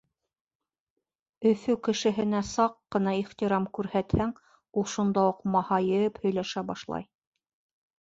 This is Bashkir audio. Өфө кешеһенә саҡ ҡына ихтирам күрһәтһәң, ул шунда уҡ маһайып һөйләшә башлай.